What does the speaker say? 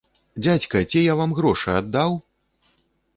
Дзядзька, ці я вам грошы аддаў?!